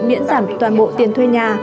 miễn giảm toàn bộ tiền thuê nhà